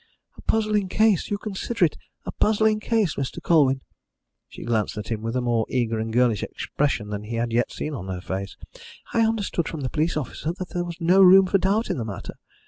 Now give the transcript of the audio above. "A puzzling case! You consider it a puzzling case, Mr. Colwyn?" She glanced at him with a more eager and girlish expression than he had yet seen on her face. "I understood from the police officer that there was no room for doubt in the matter.